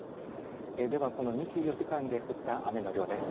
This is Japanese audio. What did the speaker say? ではこの２４時間で降った雨の量です。